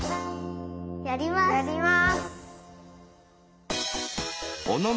やります！